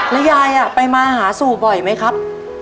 แล้วยายไปมาหาสู่บ่อยไหมครับ